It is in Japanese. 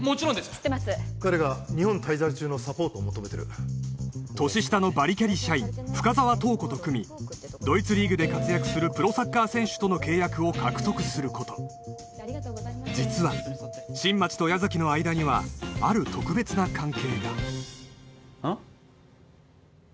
知ってます彼が日本滞在中のサポートを求めてる年下のバリキャリ社員深沢塔子と組みドイツリーグで活躍するプロサッカー選手との契約を獲得すること実は新町と矢崎の間にはある特別な関係があっ？